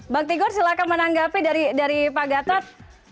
bang tigor silahkan menanggapi dari pak gatot